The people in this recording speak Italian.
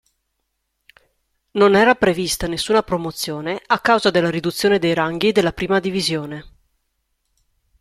Non era prevista nessuna promozione a causa della riduzione dei ranghi della Prima Divisione.